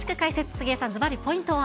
杉江さん、ずばりポイントは？